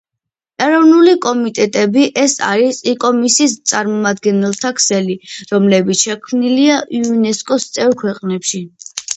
ეროვნული კომიტეტები ეს არის იკომოსის წარმომადგენელთა ქსელი, რომლებიც შექმნილია იუნესკოს წევრ ქვეყნებში.